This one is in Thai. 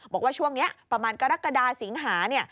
บอกว่าช่วงนี้ประมาณกรกฎาสิงหา